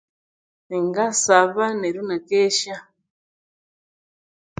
Ngasaba neryo inakesya